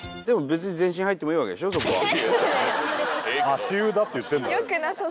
足湯だって言ってんだろ。